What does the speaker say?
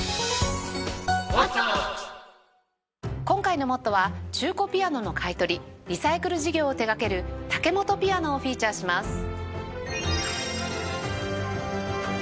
今回の『ＭＯＴＴＯ！！』は中古ピアノの買い取りリサイクル事業を手掛けるタケモトピアノをフィーチャーします。